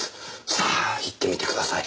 さあ言ってみてください